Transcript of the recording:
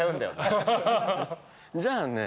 じゃあね